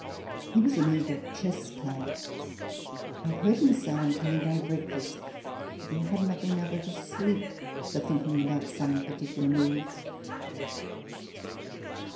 * He was an eager chess player : I have heard him say, on coming down to breakfast, that he had not been able to sleep for thinking about some particular move.